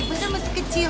beneran masih kecil